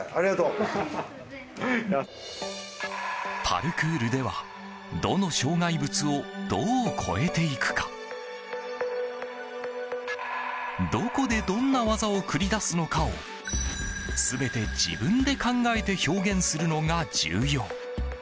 パルクールではどの障害物をどう越えていくかどこでどんな技を繰り出すのかを全て自分で考えて表現するのが重要。